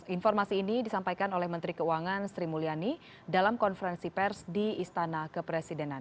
informasi ini disampaikan oleh menteri keuangan sri mulyani dalam konferensi pers di istana kepresidenan